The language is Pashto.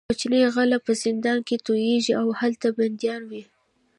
کوچني غله په زندان کې لویېږي او هلته بندیان وي.